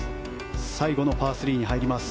最後のパー３に入ります